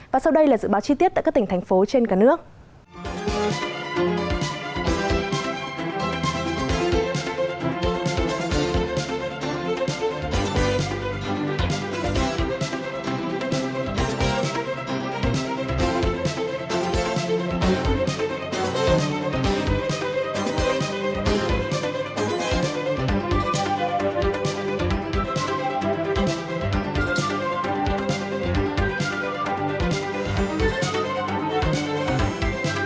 và sau đây là dự báo chi tiết tại các tỉnh thành phố trên cả nước